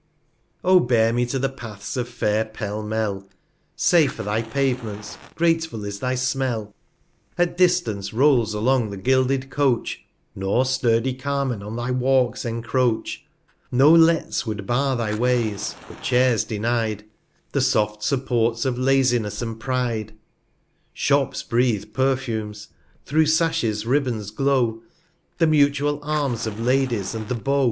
O bear me to the Paths of fair Pell mell^ 135 Safe are thy Pavements, grateful is thy Smell ! At distance, rolls along the gilded Coach, Nor sturdy Carmen on thy Walks encroach; No Lets would bar thy Ways, were Chairs deny'd, The soft Supports of Laziness and Pride; 140 Shops breathe Perfumes, thro' Sashes Ribbons glow, The mutual Arms of Ladies, and the Beau.